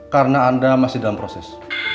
karena anda masih dalam proses